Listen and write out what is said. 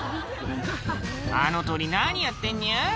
「あの鳥何やってんニャ？